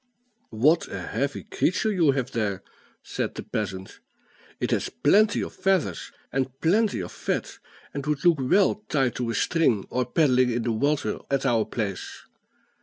"What a heavy creature you have there!" said the peasant; "it has plenty of feathers and plenty of fat, and would look well tied to a string, or paddling in the water at our place.